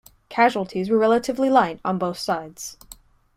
Casualties were relatively light on both sides.